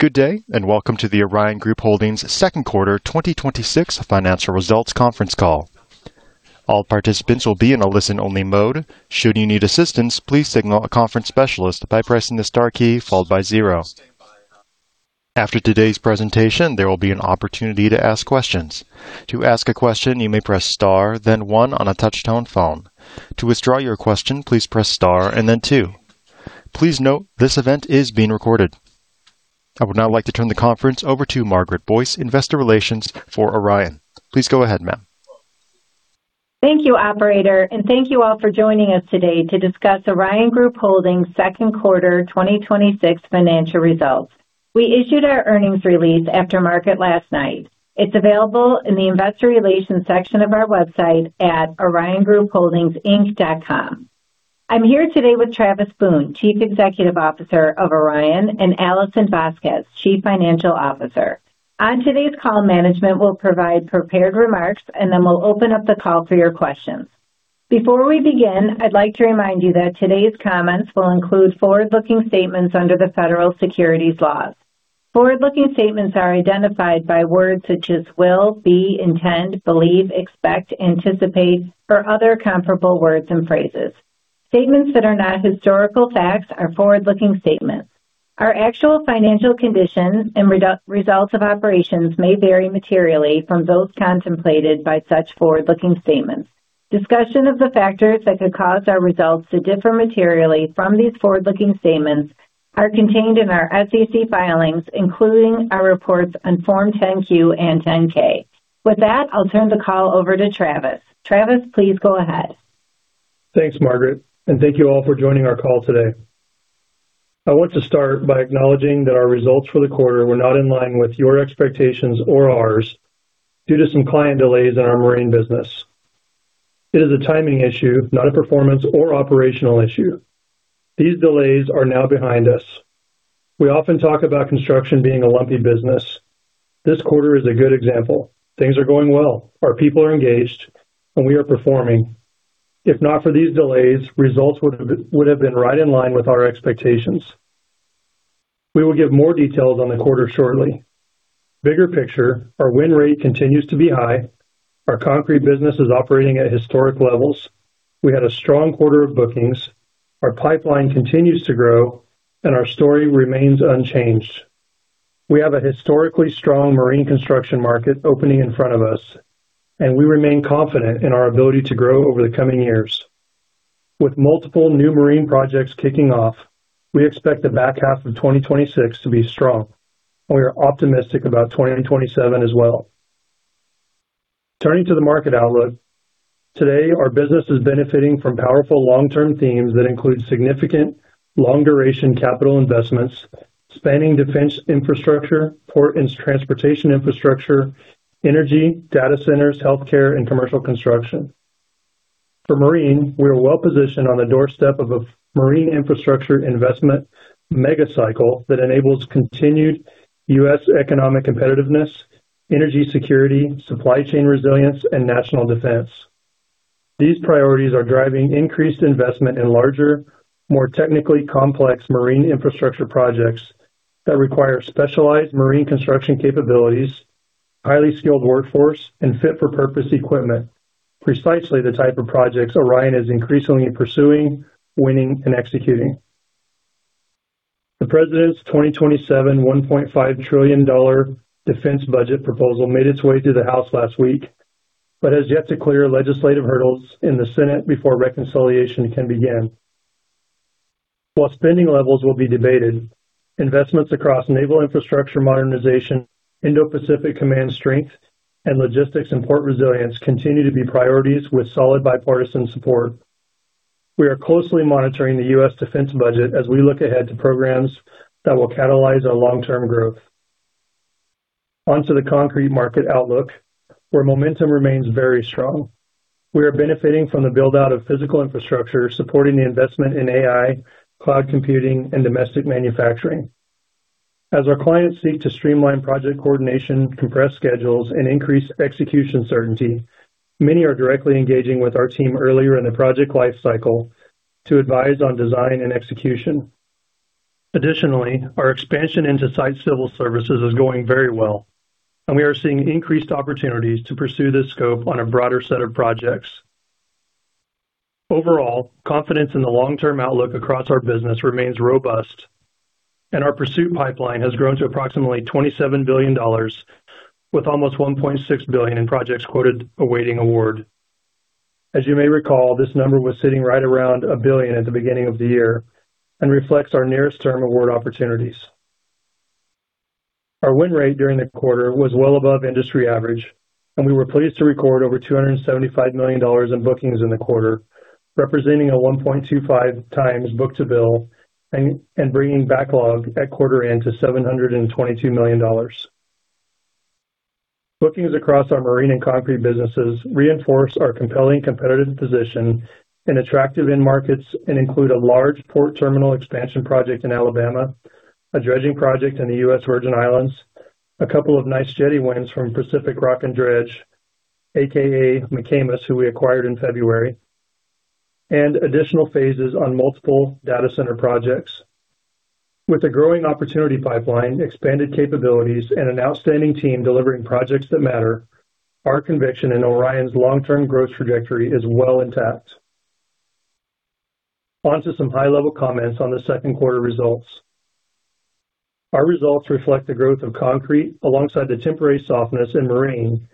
Good day, welcome to the Orion Group Holdings second quarter 2026 financial results conference call. All participants will be in a listen-only mode. Should you need assistance, please signal a conference specialist by pressing the star key followed by zero. After today's presentation, there will be an opportunity to ask questions. To ask a question, you may press star then one on a touch-tone phone. To withdraw your question, please press star then two. Please note this event is being recorded. I would now like to turn the conference over to Margaret Boyce, Investor Relations for Orion. Please go ahead, ma'am. Thank you, operator, thank you all for joining us today to discuss Orion Group Holdings' second quarter 2026 financial results. We issued our earnings release after market last night. It's available in the Investor Relations section of our website at oriongroupholdingsinc.com. I'm here today with Travis Boone, Chief Executive Officer of Orion, and Alison Vasquez, Chief Financial Officer. On today's call, management will provide prepared remarks, then we'll open up the call for your questions. Before we begin, I'd like to remind you that today's comments will include forward-looking statements under the Federal Securities Laws. Forward-looking statements are identified by words such as will, be, intend, believe, expect, anticipate, or other comparable words and phrases. Statements that are not historical facts are forward-looking statements. Our actual financial condition and results of operations may vary materially from those contemplated by such forward-looking statements. Discussion of the factors that could cause our results to differ materially from these forward-looking statements are contained in our SEC filings, including our reports on Form 10-Q and 10-K. With that, I'll turn the call over to Travis. Travis, please go ahead. Thanks, Margaret, thank you all for joining our call today. I want to start by acknowledging that our results for the quarter were not in line with your expectations or ours due to some client delays in our marine business. It is a timing issue, not a performance or operational issue. These delays are now behind us. We often talk about construction being a lumpy business. This quarter is a good example. Things are going well. Our people are engaged, and we are performing. If not for these delays, results would have been right in line with our expectations. We will give more details on the quarter shortly. Bigger picture, our win rate continues to be high. Our concrete business is operating at historic levels. We had a strong quarter of bookings. Our pipeline continues to grow, and our story remains unchanged. We have a historically strong marine construction market opening in front of us, and we remain confident in our ability to grow over the coming years. With multiple new marine projects kicking off, we expect the back half of 2026 to be strong. We are optimistic about 2027 as well. Turning to the market outlook, today, our business is benefiting from powerful long-term themes that include significant long-duration capital investments, spanning defense infrastructure, port and transportation infrastructure, energy, data centers, healthcare, and commercial construction. For marine, we are well-positioned on the doorstep of a marine infrastructure investment mega cycle that enables continued U.S. economic competitiveness, energy security, supply chain resilience, and national defense. These priorities are driving increased investment in larger, more technically complex marine infrastructure projects that require specialized marine construction capabilities, highly skilled workforce, and fit-for-purpose equipment. Precisely the type of projects Orion is increasingly pursuing, winning, and executing. The president's 2027 $1.5 trillion defense budget proposal made its way through the House last week but has yet to clear legislative hurdles in the Senate before reconciliation can begin. While spending levels will be debated, investments across naval infrastructure modernization, Indo-Pacific command strength, and logistics and port resilience continue to be priorities with solid bipartisan support. We are closely monitoring the U.S. defense budget as we look ahead to programs that will catalyze our long-term growth. Onto the concrete market outlook, where momentum remains very strong. We are benefiting from the build-out of physical infrastructure, supporting the investment in AI, cloud computing, and domestic manufacturing. As our clients seek to streamline project coordination, compress schedules, and increase execution certainty, many are directly engaging with our team earlier in the project life cycle to advise on design and execution. Additionally, our expansion into site civil services is going very well, and we are seeing increased opportunities to pursue this scope on a broader set of projects. Overall, confidence in the long-term outlook across our business remains robust, and our pursuit pipeline has grown to approximately $27 billion, with almost $1.6 billion in projects quoted awaiting award. As you may recall, this number was sitting right around $1 billion at the beginning of the year and reflects our nearest term award opportunities. Our win rate during the quarter was well above industry average, and we were pleased to record over $275 million in bookings in the quarter, representing a 1.25x book-to-bill and bringing backlog at quarter end to $722 million. Bookings across our marine and concrete businesses reinforce our compelling competitive position in attractive end markets and include a large port terminal expansion project in Alabama, a dredging project in the U.S. Virgin Islands, a couple of nice jetty wins from J. E. McAmis, Inc., aka McCamus, who we acquired in February. Additional phases on multiple data center projects. With a growing opportunity pipeline, expanded capabilities, and an outstanding team delivering projects that matter, our conviction in Orion's long-term growth trajectory is well intact. On to some high-level comments on the second quarter results. Our results reflect the growth of concrete alongside the temporary softness in marine,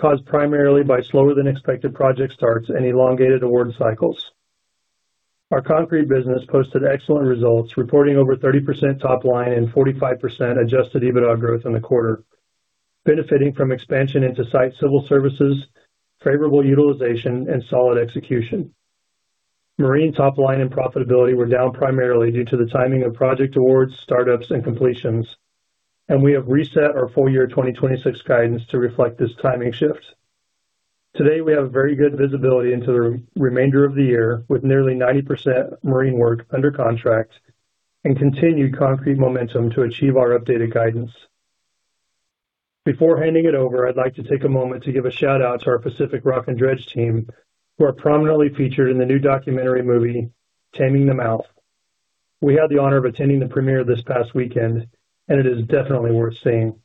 caused primarily by slower than expected project starts and elongated award cycles. Our concrete business posted excellent results, reporting over 30% top line and 45% adjusted EBITDA growth in the quarter, benefiting from expansion into site civil services, favorable utilization, and solid execution. Marine top line and profitability were down primarily due to the timing of project awards, startups, and completions. We have reset our full year 2026 guidance to reflect this timing shift. Today, we have very good visibility into the remainder of the year, with nearly 90% marine work under contract and continued concrete momentum to achieve our updated guidance. Before handing it over, I'd like to take a moment to give a shout-out to our J. E. McAmis, Inc. team, who are prominently featured in the new documentary movie, "Taming the Mouth." We had the honor of attending the premiere this past weekend, and it is definitely worth seeing.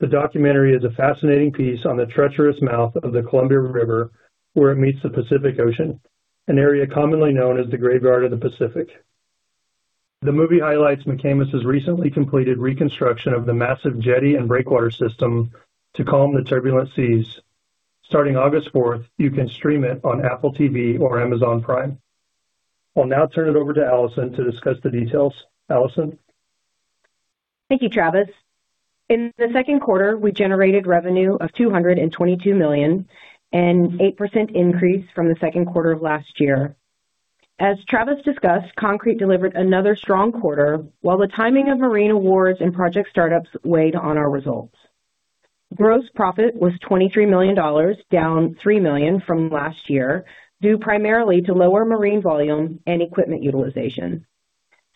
The documentary is a fascinating piece on the treacherous mouth of the Columbia River, where it meets the Pacific Ocean, an area commonly known as the Graveyard of the Pacific. The movie highlights McCamus' recently completed reconstruction of the massive jetty and breakwater system to calm the turbulent seas. Starting August 4th, you can stream it on Apple TV or Amazon Prime. I'll now turn it over to Alison to discuss the details. Alison? Thank you, Travis. In the second quarter, we generated revenue of $222 million, an 8% increase from the second quarter of last year. As Travis discussed, concrete delivered another strong quarter, while the timing of marine awards and project startups weighed on our results. Gross profit was $23 million, down $3 million from last year, due primarily to lower marine volume and equipment utilization.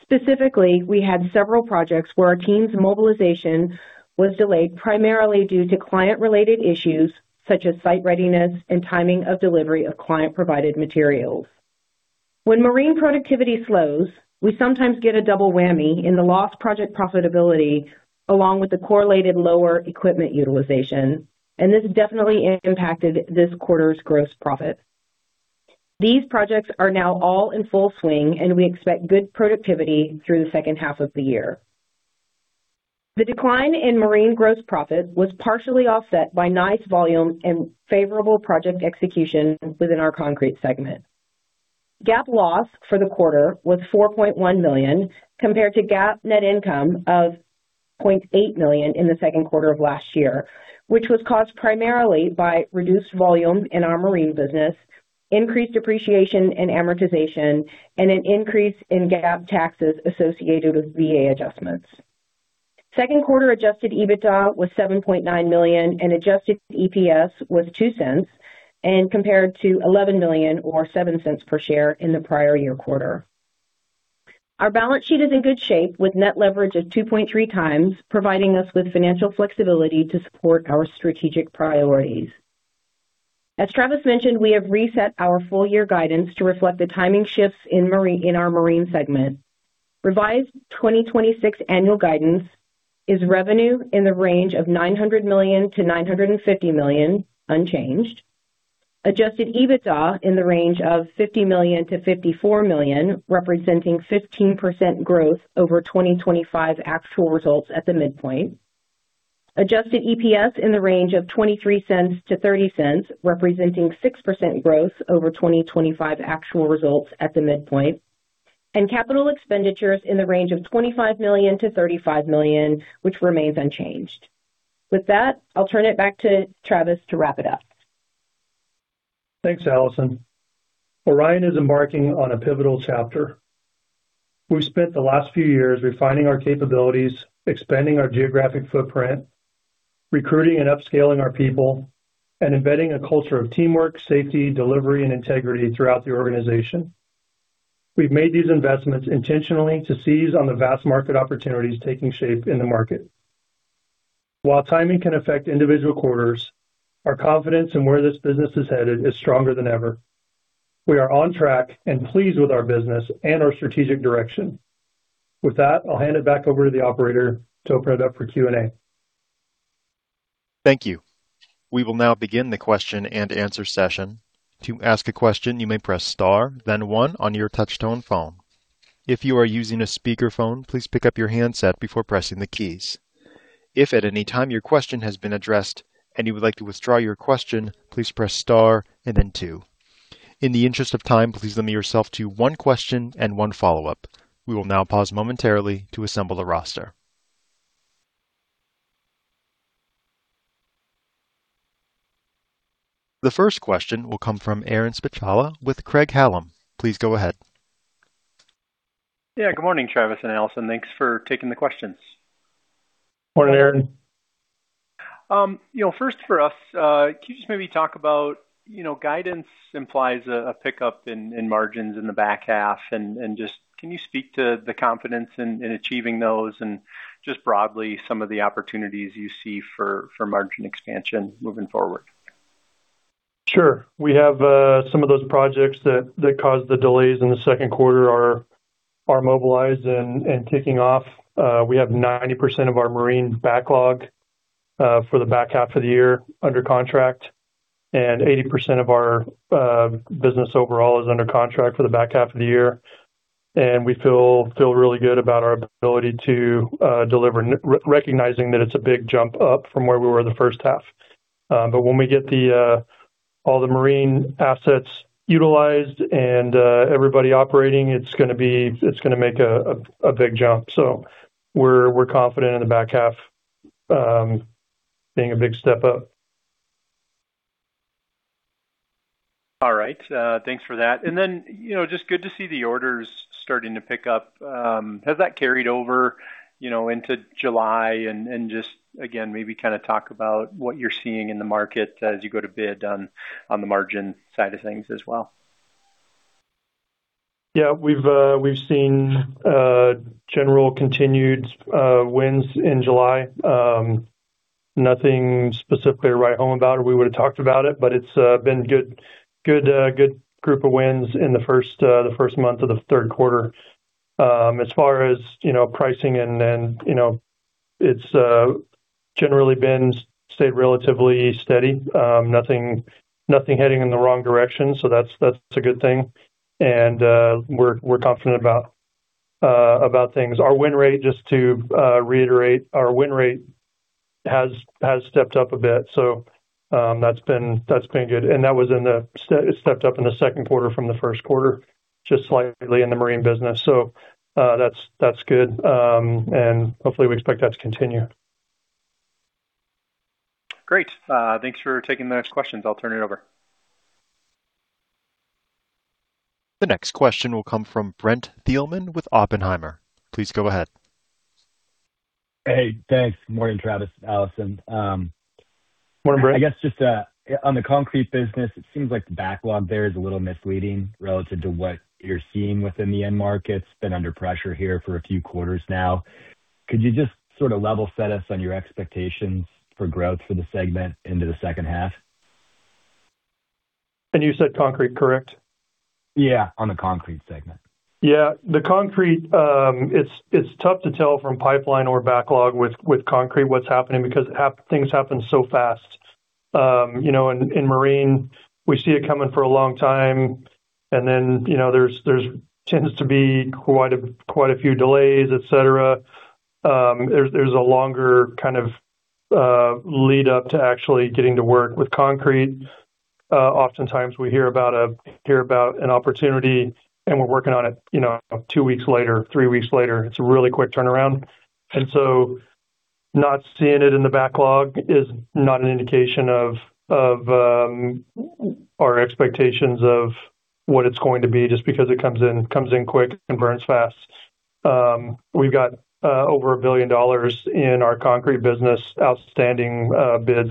Specifically, we had several projects where our team's mobilization was delayed primarily due to client-related issues such as site readiness and timing of delivery of client-provided materials. When marine productivity slows, we sometimes get a double whammy in the lost project profitability along with the correlated lower equipment utilization, and this definitely impacted this quarter's gross profit. These projects are now all in full swing, and we expect good productivity through the second half of the year. The decline in marine gross profit was partially offset by nice volume and favorable project execution within our concrete segment. GAAP loss for the quarter was $4.1 million, compared to GAAP net income of $0.8 million in the second quarter of last year, which was caused primarily by reduced volume in our marine business, increased depreciation and amortization, and an increase in GAAP taxes associated with VA adjustments. Second quarter adjusted EBITDA was $7.9 million. Adjusted EPS was $0.02, and compared to $11 million or $0.07 per share in the prior year quarter. Our balance sheet is in good shape, with net leverage of 2.3x, providing us with financial flexibility to support our strategic priorities. As Travis mentioned, we have reset our full year guidance to reflect the timing shifts in our marine segment. Revised 2026 annual guidance is revenue in the range of $900 million to $950 million, unchanged. Adjusted EBITDA in the range of $50 million to $54 million, representing 15% growth over 2025 actual results at the midpoint. Adjusted EPS in the range of $0.23-$0.30, representing 6% growth over 2025 actual results at the midpoint. Capital expenditures in the range of $25 million to $35 million, which remains unchanged. With that, I'll turn it back to Travis to wrap it up. Thanks, Alison. Orion is embarking on a pivotal chapter. We've spent the last few years refining our capabilities, expanding our geographic footprint, recruiting and upscaling our people, and embedding a culture of teamwork, safety, delivery, and integrity throughout the organization. We've made these investments intentionally to seize on the vast market opportunities taking shape in the market. While timing can affect individual quarters, our confidence in where this business is headed is stronger than ever. We are on track and pleased with our business and our strategic direction. With that, I'll hand it back over to the operator to open it up for Q&A. Thank you. We will now begin the question and answer session. To ask a question, you may press star then one on your touch tone phone. If you are using a speakerphone, please pick up your handset before pressing the keys. If at any time your question has been addressed and you would like to withdraw your question, please press star and then two. In the interest of time, please limit yourself to one question and one follow-up. We will now pause momentarily to assemble the roster. The first question will come from Aaron Spychalla with Craig-Hallum. Please go ahead. Yeah, good morning, Travis and Alison. Thanks for taking the questions. Morning, Aaron. First for us, can you just maybe talk about, guidance implies a pickup in margins in the back half, just can you speak to the confidence in achieving those and just broadly some of the opportunities you see for margin expansion moving forward? Sure. We have some of those projects that caused the delays in the second quarter are mobilized and kicking off. We have 90% of our marine backlog for the back half of the year under contract, 80% of our business overall is under contract for the back half of the year. We feel really good about our ability to deliver, recognizing that it's a big jump up from where we were the first half. When we get all the marine assets utilized and everybody operating, it's going to make a big jump. We're confident in the back half being a big step up. All right. Thanks for that. Then, just good to see the orders starting to pick up. Has that carried over into July? Just again, maybe talk about what you're seeing in the market as you go to bid on the margin side of things as well. Yeah, we've seen general continued wins in July. Nothing specifically to write home about or we would've talked about it. It's been a good group of wins in the first month of the third quarter. As far as pricing, it's generally stayed relatively steady. Nothing heading in the wrong direction, so that's a good thing. We're confident about things. Our win rate, just to reiterate, our win rate has stepped up a bit. That's been good. That was it stepped up in the second quarter from the first quarter, just slightly in the marine business. That's good. Hopefully we expect that to continue. Great. Thanks for taking the next questions. I'll turn it over. The next question will come from Brent Thielman with Oppenheimer. Please go ahead. Hey, thanks. Good morning, Travis, Alison. Morning, Brent. I guess just on the concrete business, it seems like the backlog there is a little misleading relative to what you're seeing within the end market. It's been under pressure here for a few quarters now. Could you just level set us on your expectations for growth for the segment into the second half? You said concrete, correct? Yeah, on the concrete segment. Yeah. The concrete, it's tough to tell from pipeline or backlog with concrete what's happening because things happen so fast. In marine, we see it coming for a long time, and then there tends to be quite a few delays, et cetera. There's a longer lead up to actually getting to work. With concrete, oftentimes we hear about an opportunity and we're working on it two weeks later, three weeks later. It's a really quick turnaround. Not seeing it in the backlog is not an indication of our expectations of what it's going to be just because it comes in quick and burns fast. We've got over $1 billion in our concrete business, outstanding bids.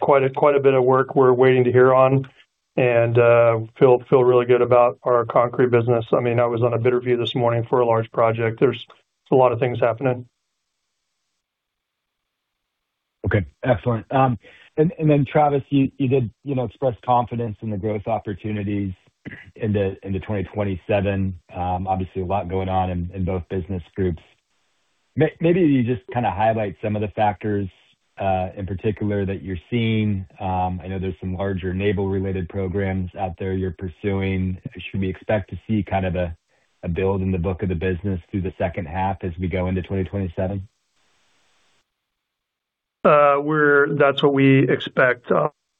Quite a bit of work we're waiting to hear on and feel really good about our concrete business. I was on a bid review this morning for a large project. There's a lot of things happening. Okay. Excellent. Travis, you did express confidence in the growth opportunities into 2027. Obviously, a lot going on in both business groups. Maybe you just highlight some of the factors, in particular, that you're seeing. I know there's some larger naval-related programs out there you're pursuing. Should we expect to see a build in the book of the business through the second half as we go into 2027? That's what we expect.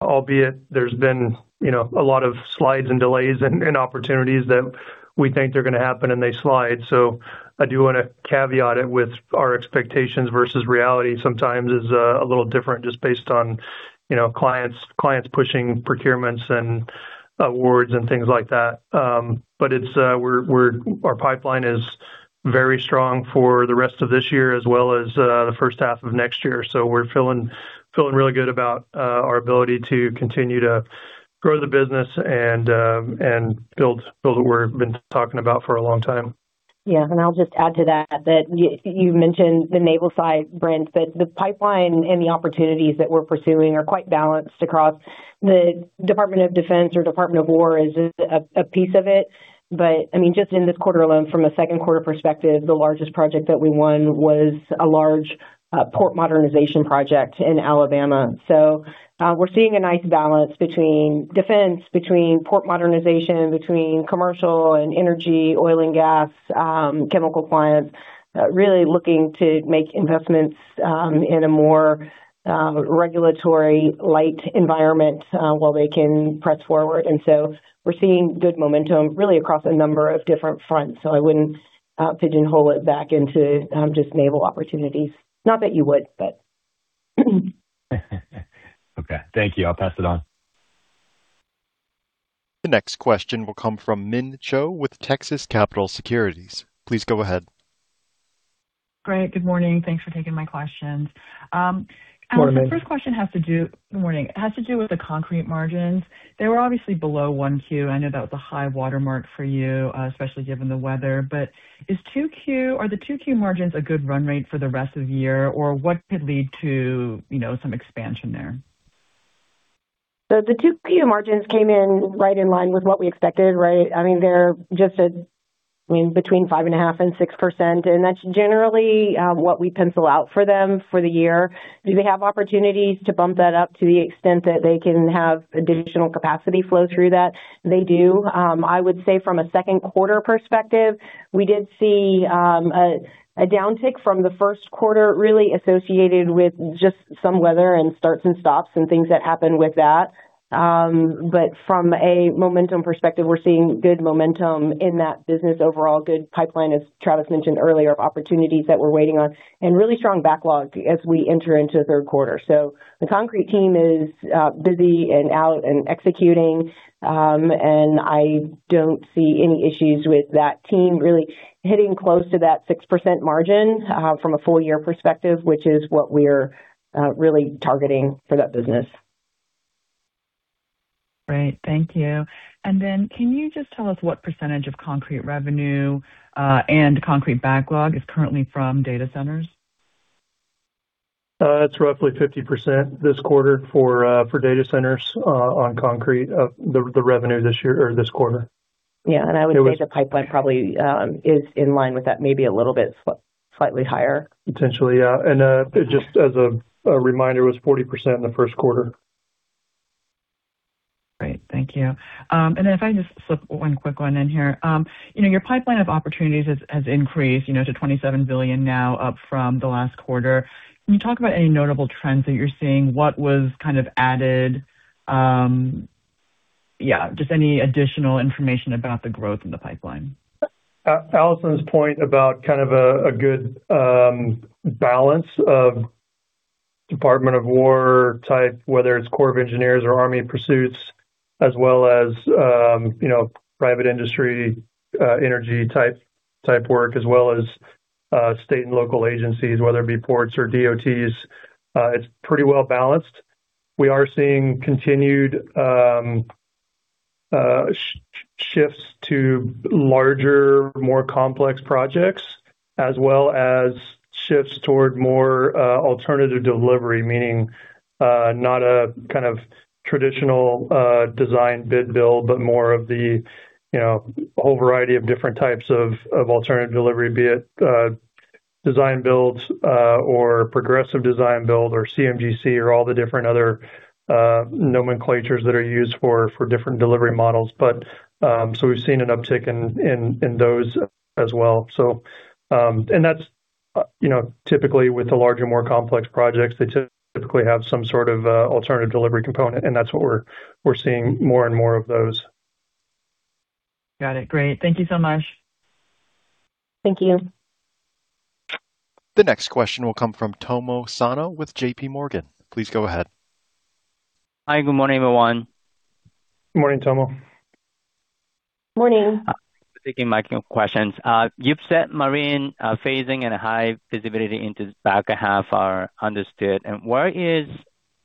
Albeit there's been a lot of slides and delays and opportunities that we think they're going to happen and they slide. I do want to caveat it with our expectations versus reality sometimes is a little different just based on clients pushing procurements and awards and things like that. Our pipeline is very strong for the rest of this year as well as the first half of next year. We're feeling really good about our ability to continue to grow the business and build what we've been talking about for a long time. I'll just add to that you mentioned the naval side, Brent, but the pipeline and the opportunities that we're pursuing are quite balanced across the Department of Defense or Department of War is a piece of it. Just in this quarter alone, from a second quarter perspective, the largest project that we won was a large port modernization project in Alabama. We're seeing a nice balance between defense, between port modernization, between commercial and energy, oil and gas, chemical clients, really looking to make investments in a more regulatory light environment while they can press forward. We're seeing good momentum really across a number of different fronts. I wouldn't pigeonhole it back into just naval opportunities. Not that you would, but. Okay. Thank you. I'll pass it on. The next question will come from Min Cho with Texas Capital Securities. Please go ahead. Great. Good morning. Thanks for taking my questions. Morning, Min. The first question has to do good morning. Has to do with the concrete margins. They were obviously below 1Q. I know that was a high watermark for you, especially given the weather. Are the 2Q margins a good run rate for the rest of the year? What could lead to some expansion there? The two key margins came in right in line with what we expected. They're just between 5.5% and 6%. That's generally what we pencil out for them for the year. Do they have opportunities to bump that up to the extent that they can have additional capacity flow through that? They do. I would say from a second quarter perspective, we did see a downtick from the first quarter, really associated with just some weather and starts and stops and things that happen with that. From a momentum perspective, we're seeing good momentum in that business overall, good pipeline, as Travis mentioned earlier, of opportunities that we're waiting on, really strong backlog as we enter into the third quarter. The concrete team is busy and out and executing. I don't see any issues with that team really hitting close to that 6% margin from a full year perspective, which is what we're really targeting for that business. Great. Thank you. Then can you just tell us what percentage of concrete revenue and concrete backlog is currently from data centers? It's roughly 50% this quarter for data centers on concrete, the revenue this quarter. Yeah. I would say the pipeline probably is in line with that, maybe a little bit slightly higher. Potentially, yeah. Just as a reminder, it was 40% in the first quarter. Great. Thank you. If I just slip one quick one in here. Your pipeline of opportunities has increased to $27 billion now up from the last quarter. Can you talk about any notable trends that you're seeing? What was kind of added? Just any additional information about the growth in the pipeline. Alison's point about kind of a good balance of Department of War type, whether it's Corps of Engineers or Army pursuits, as well as private industry, energy type work, as well as state and local agencies, whether it be ports or DOTs. It's pretty well balanced. We are seeing continued shifts to larger, more complex projects, as well as shifts toward more alternative delivery, meaning not a kind of traditional design bid build, but more of the whole variety of different types of alternative delivery, be it design builds or progressive design build or CMGC or all the different other nomenclatures that are used for different delivery models. We've seen an uptick in those as well. Typically, with the larger, more complex projects, they typically have some sort of alternative delivery component, and that's what we're seeing more and more of those. Got it. Great. Thank you so much. Thank you. The next question will come from Tomo Sano with JPMorgan. Please go ahead. Hi. Good morning, everyone. Morning, Tomo. Morning. Thank you for taking my questions. You've said marine phasing and high visibility into the back half are understood. Where is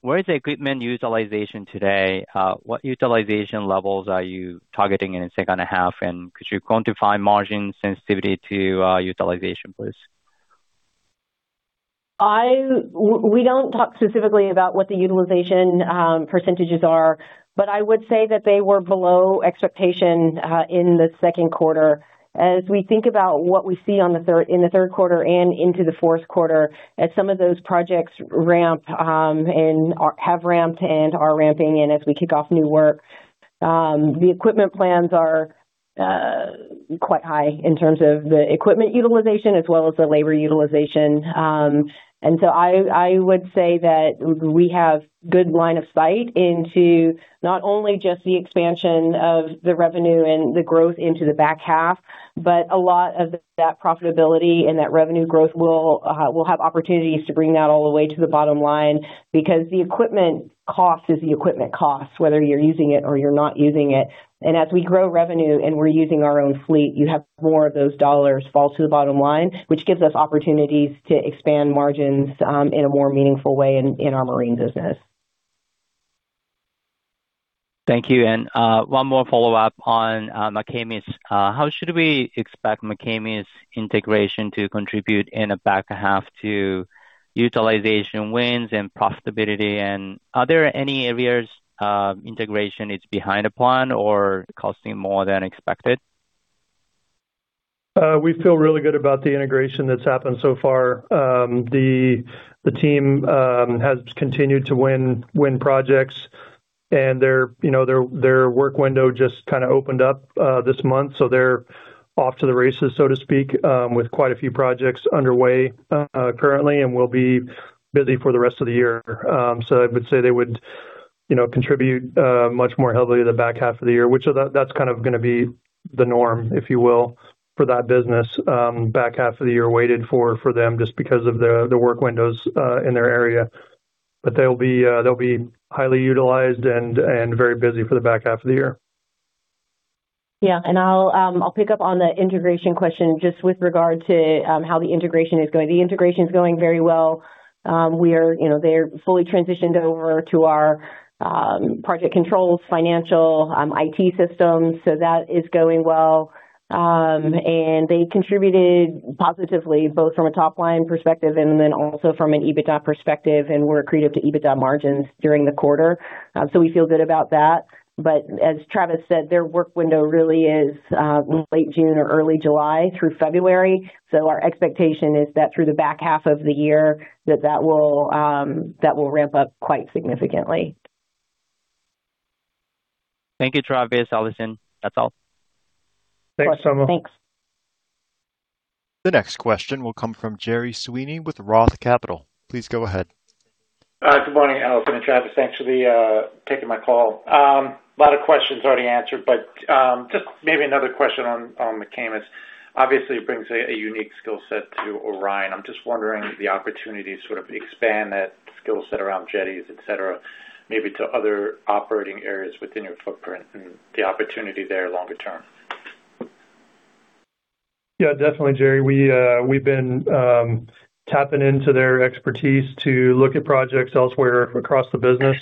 the equipment utilization today? What utilization levels are you targeting in the second half, and could you quantify margin sensitivity to utilization, please? We don't talk specifically about what the utilization percentages are, but I would say that they were below expectation in the second quarter. As we think about what we see in the third quarter and into the fourth quarter, as some of those projects ramp and have ramped and are ramping and as we kick off new work, the equipment plans are quite high in terms of the equipment utilization as well as the labor utilization. I would say that we have good line of sight into not only just the expansion of the revenue and the growth into the back half, but a lot of that profitability and that revenue growth will have opportunities to bring that all the way to the bottom line, because the equipment cost is the equipment cost, whether you're using it or you're not using it. As we grow revenue and we're using our own fleet, you have more of those dollars fall to the bottom line, which gives us opportunities to expand margins in a more meaningful way in our marine business. Thank you. One more follow-up on McCamus's. How should we expect McCamus's integration to contribute in the back half to utilization wins and profitability? Are there any areas integration is behind the plan or costing more than expected? We feel really good about the integration that's happened so far. The team has continued to win projects, and their work window just kind of opened up this month. They're off to the races, so to speak, with quite a few projects underway currently and will be busy for the rest of the year. I would say they would contribute much more heavily to the back half of the year, which that's kind of going to be the norm, if you will, for that business back half of the year waited for them just because of the work windows in their area. They'll be highly utilized and very busy for the back half of the year. Yeah. I'll pick up on the integration question just with regard to how the integration is going. The integration is going very well. They are fully transitioned over to our project controls, financial, IT systems, that is going well. They contributed positively, both from a top-line perspective and also from an EBITDA perspective, and were accretive to EBITDA margins during the quarter. We feel good about that. As Travis said, their work window really is late June or early July through February. Our expectation is that through the back half of the year, that that will ramp up quite significantly. Thank you, Travis, Alison. That is all. Thanks, Tomo. Thanks. The next question will come from Gerard Sweeney with Roth Capital. Please go ahead. Good morning, Alison and Travis. Thanks for the taking my call. A lot of questions already answered, just maybe another question on McCamus. Obviously, it brings a unique skill set to Orion. I'm just wondering the opportunity to sort of expand that skill set around jetties, et cetera, maybe to other operating areas within your footprint and the opportunity there longer term. Definitely, Jerry. We've been tapping into their expertise to look at projects elsewhere across the business,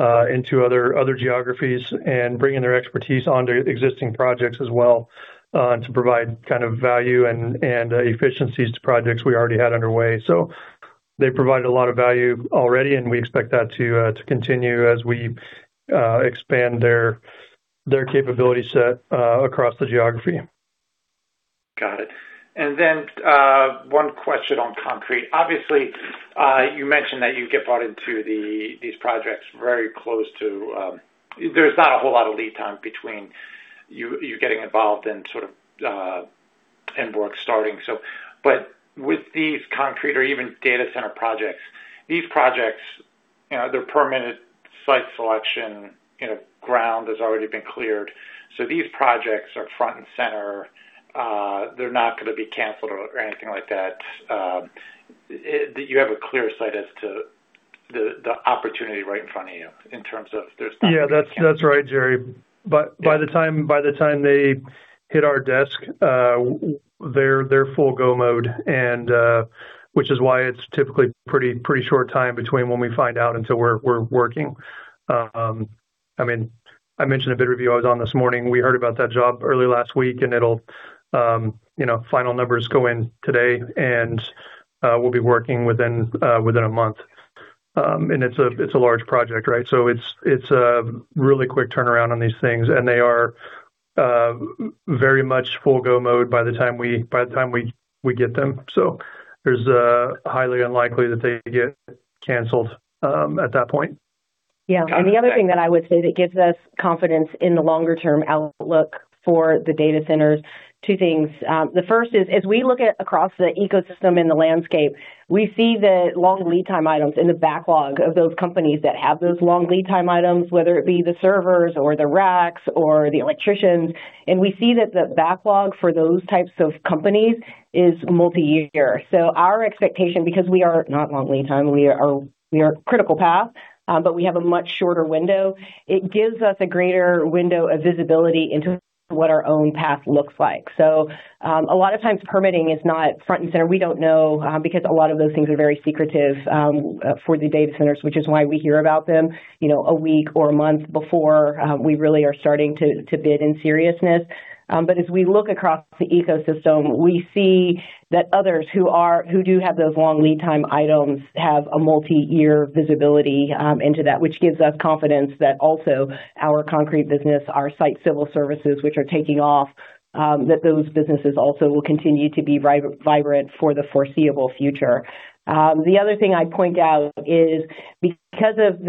into other geographies, and bringing their expertise onto existing projects as well, to provide value and efficiencies to projects we already had underway. They provided a lot of value already, and we expect that to continue as we expand their capability set across the geography. Got it. One question on concrete. Obviously, you mentioned that you get brought into these projects very close to. There's not a whole lot of lead time between you getting involved and sort of end work starting. With these concrete or even data center projects, these projects, they're permanent site selection, ground has already been cleared. These projects are front and center. They're not going to be canceled or anything like that. You have a clear sight as to the opportunity right in front of you in terms of there's nothing That's right, Gerry. By the time they hit our desk, they're full go mode, and which is why it's typically pretty short time between when we find out until we're working. I mentioned a bid review I was on this morning. We heard about that job early last week, and final numbers go in today, and we'll be working within a month. It's a large project, right? It's a really quick turnaround on these things, and they are very much full go mode by the time we get them. There's a highly unlikely that they get canceled, at that point. Yeah. The other thing that I would say that gives us confidence in the longer term outlook for the data centers, two things. The first is, as we look at across the ecosystem and the landscape, we see the long lead time items in the backlog of those companies that have those long lead time items, whether it be the servers or the racks or the electricians. We see that the backlog for those types of companies is multi-year. Our expectation, because we are not long lead time, we are critical path, but we have a much shorter window. It gives us a greater window of visibility into what our own path looks like. A lot of times permitting is not front and center. We don't know, because a lot of those things are very secretive for the data centers, which is why we hear about them a week or a month before we really are starting to bid in seriousness. As we look across the ecosystem, we see that others who do have those long lead time items have a multi-year visibility into that, which gives us confidence that also our concrete business, our site civil services, which are taking off, that those businesses also will continue to be vibrant for the foreseeable future. The other thing I'd point out is because of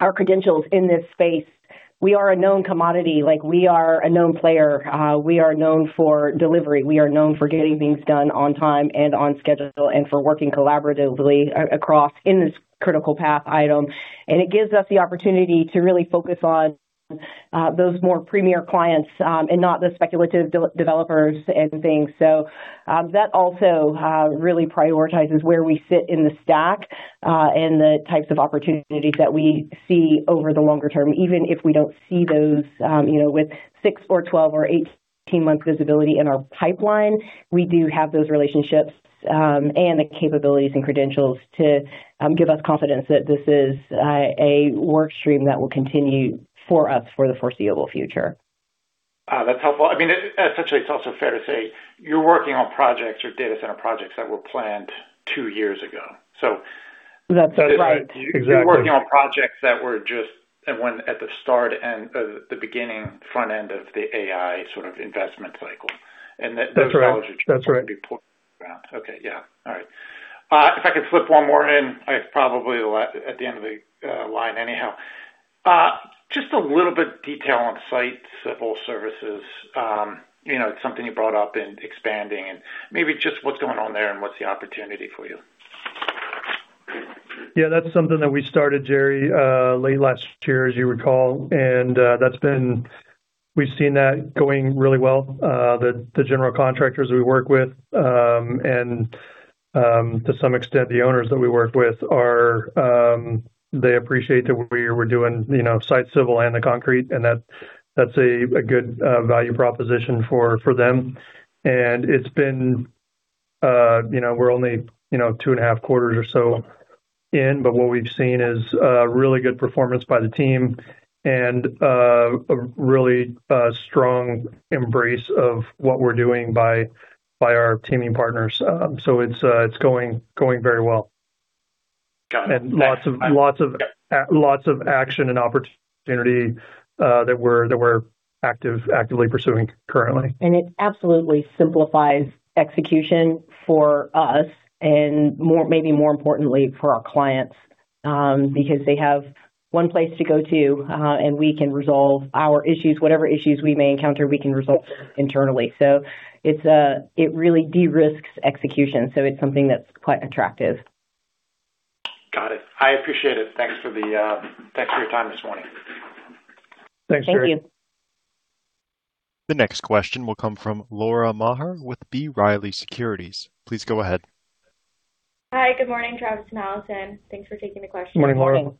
our credentials in this space, we are a known commodity. We are a known player. We are known for delivery. We are known for getting things done on time and on schedule, and for working collaboratively across in this critical path item. It gives us the opportunity to really focus on those more premier clients, and not the speculative developers and things. That also really prioritizes where we sit in the stack, and the types of opportunities that we see over the longer term. Even if we don't see those with six or 12 or 18-month visibility in our pipeline, we do have those relationships, and the capabilities and credentials to give us confidence that this is a work stream that will continue for us for the foreseeable future. That's helpful. Essentially, it's also fair to say you're working on projects or data center projects that were planned two years ago. That's right. Exactly. You're working on projects that were just at the beginning front end of the AI sort of investment cycle. That's right. Okay. Yeah. All right. If I could slip one more in, it's probably at the end of the line anyhow. Just a little bit detail on site civil services. It's something you brought up in expanding and maybe just what's going on there and what's the opportunity for you? Yeah, that's something that we started, Jerry, late last year, as you recall. We've seen that going really well. The general contractors we work with, to some extent, the owners that we work with, they appreciate that we're doing site civil and the concrete. That's a good value proposition for them. We're only two and a half quarters or so in. What we've seen is a really good performance by the team and a really strong embrace of what we're doing by our teaming partners. It's going very well. Got it. Lots of action and opportunity that we're actively pursuing currently. It absolutely simplifies execution for us and maybe more importantly, for our clients. Because they have one place to go to. We can resolve our issues, whatever issues we may encounter, we can resolve internally. It really de-risks execution. It's something that's quite attractive. Got it. I appreciate it. Thanks for your time this morning. Thank you. The next question will come from Laura Maher with B. Riley Securities. Please go ahead. Hi. Good morning, Travis and Alison. Thanks for taking the question. Good morning,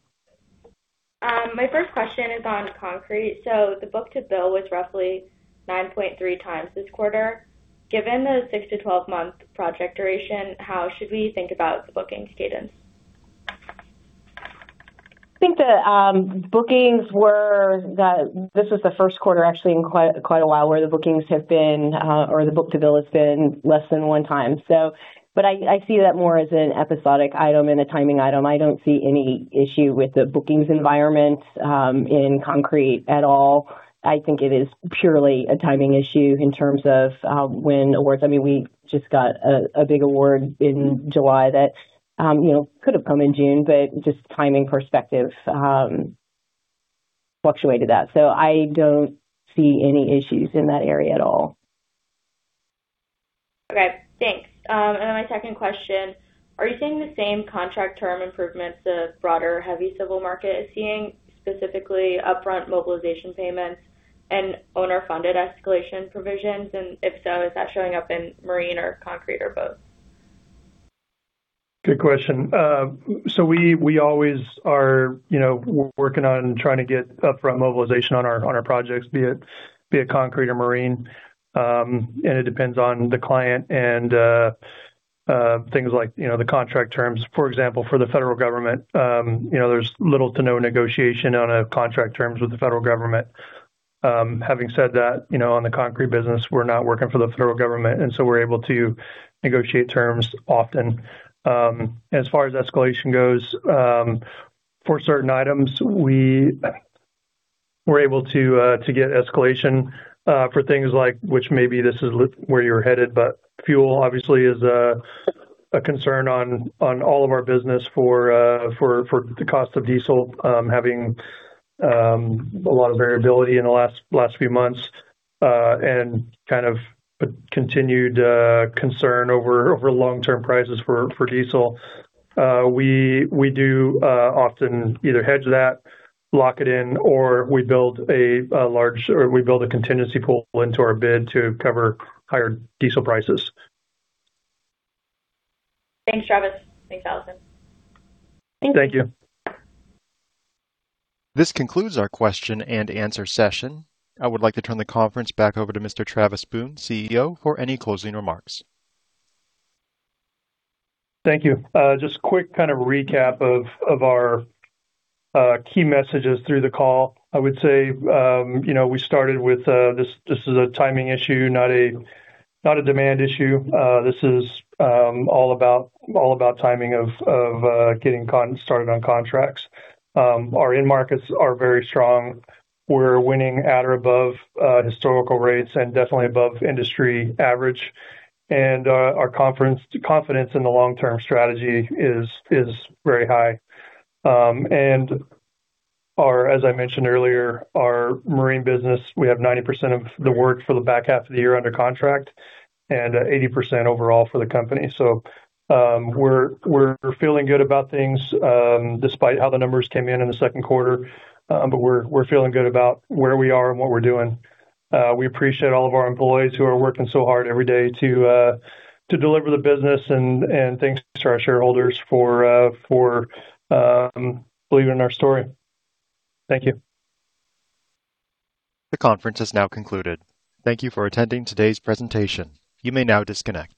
Laura. My first question is on concrete. The book-to-bill was roughly 9.3x this quarter. Given the six-12 month project duration, how should we think about the bookings cadence? This was the first quarter actually in quite a while where the bookings have been, or the book-to-bill has been less than one time. I see that more as an episodic item and a timing item. I don't see any issue with the bookings environment in concrete at all. I think it is purely a timing issue in terms of when awards. We just got a big award in July that could have come in June, but just timing perspective fluctuated that. I don't see any issues in that area at all. Okay, thanks. Then my second question, are you seeing the same contract term improvements the broader heavy civil market is seeing, specifically upfront mobilization payments and owner-funded escalation provisions, if so, is that showing up in marine or concrete or both? Good question. We always are working on trying to get upfront mobilization on our projects, be it concrete or marine. It depends on the client and things like the contract terms. For example, for the Federal Government, there's little to no negotiation on a contract terms with the Federal Government. Having said that, on the concrete business, we're not working for the Federal Government, so we're able to negotiate terms often. As far as escalation goes, for certain items, we're able to get escalation for things like, which maybe this is where you're headed, fuel obviously is a concern on all of our business for the cost of diesel, having a lot of variability in the last few months, and kind of a continued concern over long-term prices for diesel. We do often either hedge that, lock it in, or we build a contingency pool into our bid to cover higher diesel prices. Thanks, Travis. Thanks, Alison. Thank you. Thank you. This concludes our question and answer session. I would like to turn the conference back over to Mr. Travis Boone, CEO, for any closing remarks. Thank you. Just quick kind of recap of our key messages through the call. I would say, we started with this is a timing issue, not a demand issue. This is all about timing of getting started on contracts. Our end markets are very strong. We're winning at or above historical rates and definitely above industry average. Our confidence in the long-term strategy is very high. As I mentioned earlier, our marine business, we have 90% of the work for the back half of the year under contract and 80% overall for the company. We're feeling good about things, despite how the numbers came in in the second quarter. We're feeling good about where we are and what we're doing. We appreciate all of our employees who are working so hard every day to deliver the business and thanks to our shareholders for believing in our story. Thank you. The conference has now concluded. Thank you for attending today's presentation. You may now disconnect.